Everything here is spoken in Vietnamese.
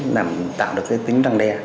làm tạo được tính răng đe